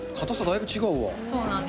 そうなんです。